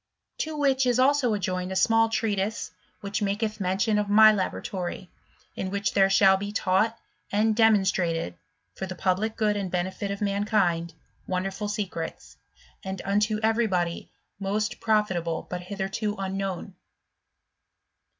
To which is also adjoined a small treatise which maketh mention of my laboratory: in which there shall be taught and demonstrated (for the public good and benefit of man kind) wonderful secrets, and unto every body most profitable but hitherto unknown.